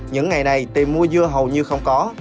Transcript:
những ngày này tìm mua dưa hầu như không có